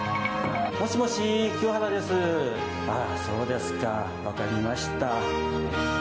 そうですか、分かりました。